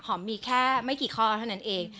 มีแค่ไม่กี่ข้อเท่านั้นเอง